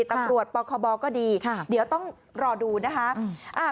ตำรวจปคบก็ดีเดี๋ยวต้องรอดูนะคะ